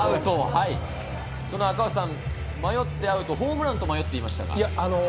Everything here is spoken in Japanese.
迷ってアウト、ホームランと迷っていましたが。